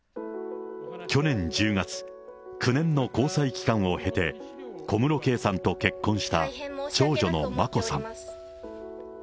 去年１０月、９年の交際期間を経て、小室圭さんと結婚した、長女の眞子さん。